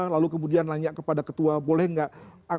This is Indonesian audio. lalu kemudian nanya kepada ketua boleh nggak